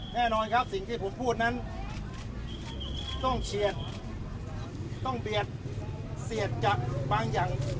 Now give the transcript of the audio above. แน่นอนครับสิ่งที่ผมพูดนั้นต้องเฉียดต้องเบียดเสียดจากบางอย่าง